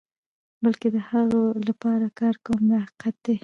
بلکې د هغو لپاره کار کوم دا حقیقت دی.